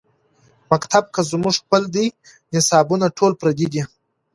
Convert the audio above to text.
مکتب کۀ زمونږ خپل دے نصابونه ټول پردي دي